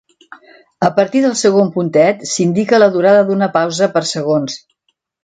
A partir del segon puntet, s'indica la durada d'una pausa per segons.